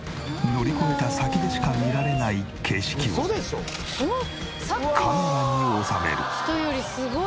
乗り越えた先でしか見られない景色をカメラに収める。